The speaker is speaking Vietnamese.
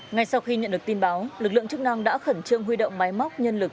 ngay sau khi nhận được tin báo lực lượng chức năng đã khẩn trương huy động máy móc nhân lực